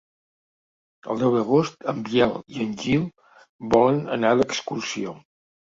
El deu d'agost en Biel i en Gil volen anar d'excursió.